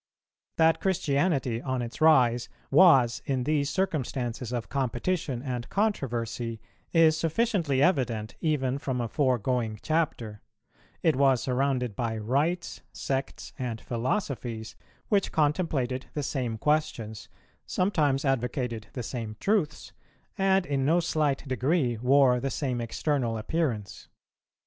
That Christianity on its rise was in these circumstances of competition and controversy, is sufficiently evident even from a foregoing Chapter: it was surrounded by rites, sects, and philosophies, which contemplated the same questions, sometimes advocated the same truths, and in no slight degree wore the same external appearance.